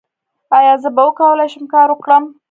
ایا زه به وکولی شم کار وکړم؟